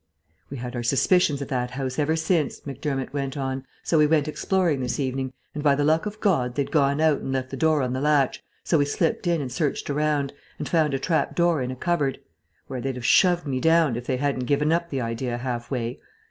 "We had our suspicions of that house ever since," Macdermott went on; "so we went exploring this evening, and by the luck of God they'd gone out and left the door on the latch, so we slipped in and searched around, and found a trap door in a cupboard where they'd have shoved me down if they hadn't given up the idea half way.